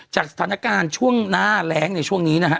จากสถานการณ์ช่วงหน้าแรงในช่วงนี้นะฮะ